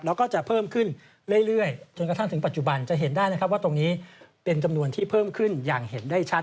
แล้วก็จะเพิ่มขึ้นเรื่อยจนกระทั่งถึงปัจจุบันจะเห็นได้นะครับว่าตรงนี้เป็นจำนวนที่เพิ่มขึ้นอย่างเห็นได้ชัด